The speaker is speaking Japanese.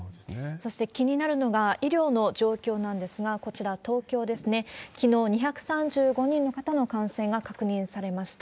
そして気になるのが医療の状況なんですが、こちら、東京ですね、きのう、２３５人の方の感染が確認されました。